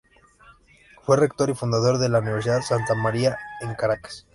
Fue Rector y fundador de la Universidad Santa María en Caracas.